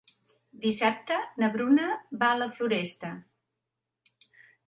Dissabte na Bruna va a la Floresta.